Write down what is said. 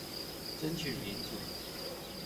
爭取民主